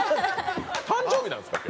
誕生日なんですか？